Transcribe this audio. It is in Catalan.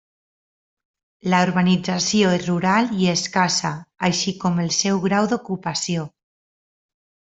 La urbanització és rural i escassa, així com el seu grau d'ocupació.